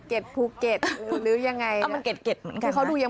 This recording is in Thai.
เก็ตเก็ตเหมือนกันนะ